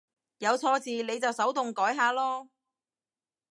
有錯字你就手動改下囉